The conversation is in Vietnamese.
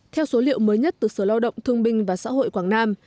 theo số liệu mới nhất từ sở lao động thương binh và xã hội quảng nam